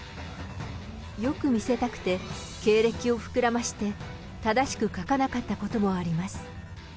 よく見せたくて、経歴を膨らまして、正しく書かなかったこともあります。